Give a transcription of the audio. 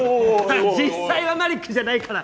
実際はマリックじゃないから。